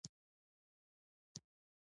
د مڼې پوستکي ویټامین لري.